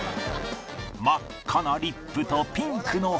真っ赤なリップとピンクの頬